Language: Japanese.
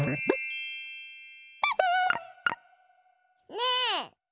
ねえ！